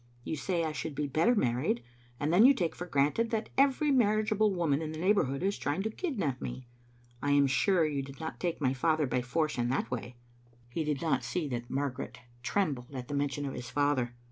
You say I should be better married, and then you take for granted that every marriageable woman in the neighbourhood is trying to kidnap me. I am sure you did not take my father by force in that way. " He did not see that Margaret trembled at the mention of his father.